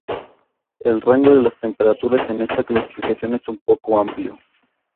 El rango de las temperaturas en esta clasificación es un poco amplio.